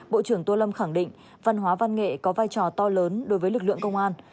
bộ trưởng tô lâm khẳng định văn hóa văn nghệ có vai trò to lớn đối với lực lượng công an